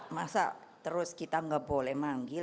masa terus kita nggak boleh manggil